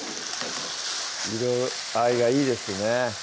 色合いがいいですね